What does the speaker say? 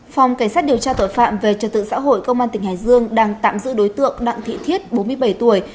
phòng cảnh sát điều tra tội phạm về trật tự xã hội công an tỉnh hải dương đang tạm giữ đối tượng đặng thị thiết bốn mươi bảy tuổi